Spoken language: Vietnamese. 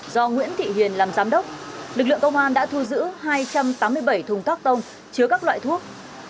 do nguyễn thị hiền làm giám đốc lực lượng công an đã thu giữ hai trăm tám mươi bảy thùng các tông chứa các loại thuốc